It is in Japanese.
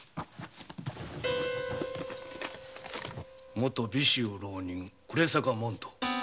元尾州浪人暮坂主人。